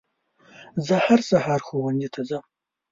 زه هر سهار ښوونځي ته ځم